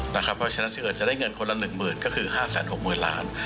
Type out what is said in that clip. เพราะฉะนั้นจะได้การเงินคนละนึกหมื่นก็คือ๕๖๐๐๐๐ล้าน